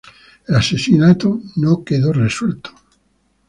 El asesinato no quedó resuelto.